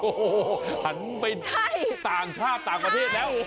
โอ้โหหันไปต่างชาติต่างประเทศแล้ว